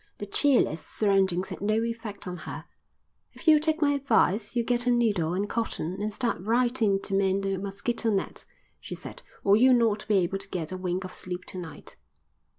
The cheerless surroundings had no effect on her. "If you'll take my advice you'll get a needle and cotton and start right in to mend the mosquito net," she said, "or you'll not be able to get a wink of sleep to night."